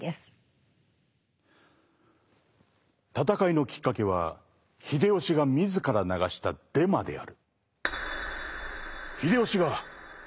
戦いのきっかけは秀吉が自ら流したデマである。